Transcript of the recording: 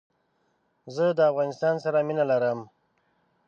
زه دافغانستان سره مينه لرم